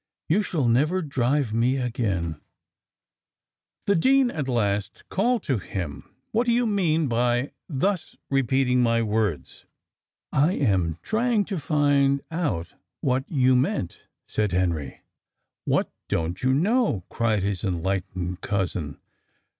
"You shall never drive me again." The dean at last called to him. "What do you mean by thus repeating my words?" "I am trying to find out what you meant," said Henry. "What don't you know?" cried his enlightened cousin.